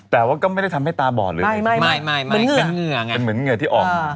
แต่ว่าก็ไม่ได้ทำให้ตาบอดเลยเป็นเหงื่อที่ออก